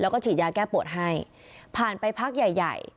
แล้วก็ฉีดยาแก้ปวดให้ผ่านไปพักใหญ่ใหญ่